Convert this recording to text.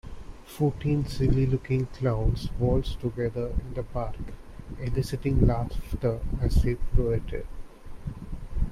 Fourteen silly looking clowns waltzed together in the park eliciting laughter as they pirouetted.